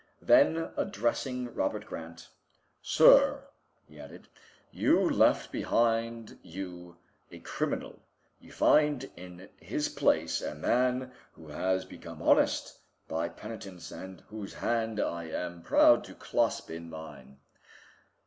Then, addressing Robert Grant, "Sir," he added, "you left behind you a criminal; you find in his place a man who has become honest by penitence, and whose hand I am proud to clasp in mine."